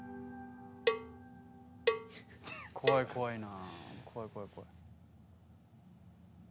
怖い怖いな。